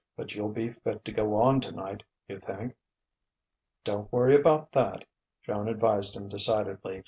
"But you'll be fit to go on tonight, you think?" "Don't worry about that," Joan advised him decidedly.